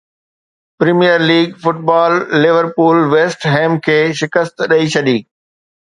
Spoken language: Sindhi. premier league football Liverpool West Ham کي شڪست ڏئي ڇڏي